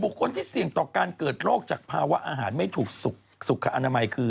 คนที่เสี่ยงต่อการเกิดโรคจากภาวะอาหารไม่ถูกสุขอนามัยคือ